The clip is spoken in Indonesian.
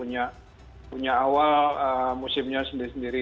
jadi punya awal musimnya sendiri sendiri